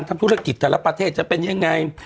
ทำธุรกิจแต่ละประเทศจะเป็นยังไง